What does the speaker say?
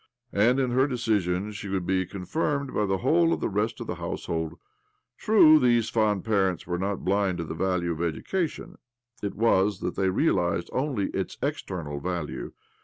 And in her decision she would be confirmed by the whole of the rest of the household. True, these fond parents were not blind to the value of education ; it was that they realized only its external value.